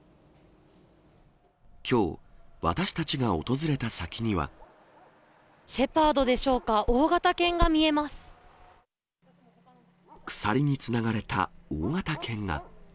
きょう、私たちが訪れた先にシェパードでしょうか、鎖につながれた大型犬が。